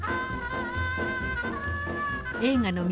映画の都